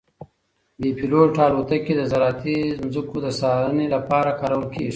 بې پیلوټه الوتکې د زراعتي ځمکو د څارنې لپاره کارول کیږي.